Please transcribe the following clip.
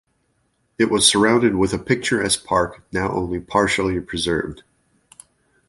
It was surrounded with a picturesque park, now only partially preserved.